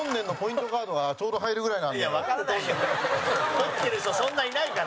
持ってる人、そんないないから。